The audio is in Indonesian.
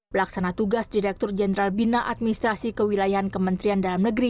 pelaksana tugas direktur jenderal bina administrasi kewilayahan kementerian dalam negeri